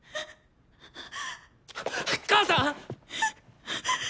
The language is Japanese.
母さん！